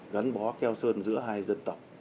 gắn bó keo sơn giữa hai dân tộc